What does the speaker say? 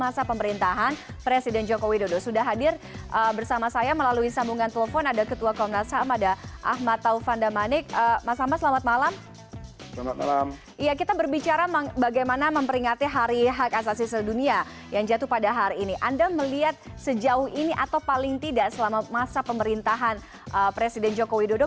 anda melihat sejauh ini atau paling tidak selama masa pemerintahan presiden jokowi dodo